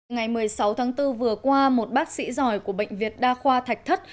ngày một mươi sáu tháng bốn vừa qua một bác sĩ giỏi của bệnh viện đa khoa thạch thất